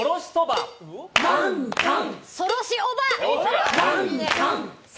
そろしおば！